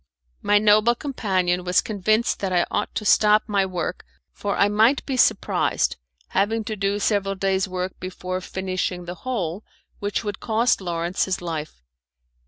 My noble companion was convinced that I ought to stop my work, for I might be surprised, having to do several days' work before finishing the hole which would cost Lawrence his life.